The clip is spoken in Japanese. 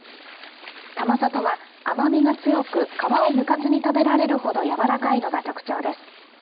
玉里は甘みが強く皮をむかずに食べられるほど柔らかいのが特徴です。